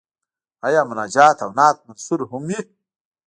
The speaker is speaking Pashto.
آیا مناجات او نعت منثور هم وي؟